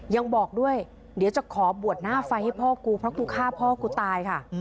ยังบอกด้วยเดี๋ยวจะขอบวชหน้าไฟให้พ่อกูเพราะกูฆ่าพ่อกูตายค่ะ